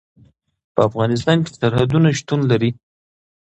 په افغانستان کې سرحدونه شتون لري.